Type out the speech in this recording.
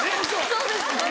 そうですね。